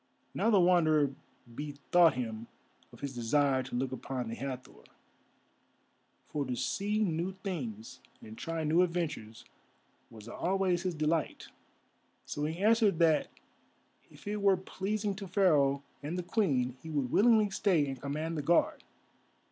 Now the Wanderer bethought him of his desire to look upon the Hathor, for to see new things and try new adventures was always his delight. So he answered that if it were pleasing to Pharaoh and the Queen he would willingly stay and command the Guard.